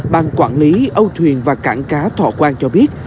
ban quản lý âu thuyền và cảng cá thọ quang cho biết